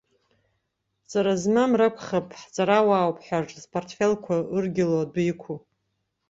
Ҵара змам ракәхуп, ҳҵарауаауп ҳәа зпартфелқәа ыргьало адәы иқәу.